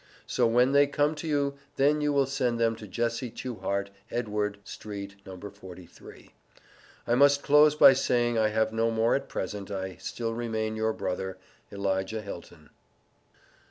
So when they come to you then you will send them to Jesse Tuehart Edward St no 43. I must close by saying I have no more at present. I still remain your brother, ELIJAH HILTON.